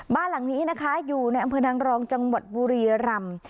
บ้านหลังนี้นะคะอยู่ในอำเภอนางรองจังหวัดบุรียรำ